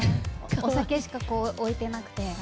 お酒しか置いてなくて。